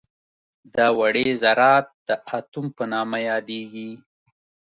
دا وړې ذرات د اتوم په نامه یادیږي.